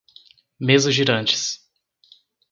Mesas girantes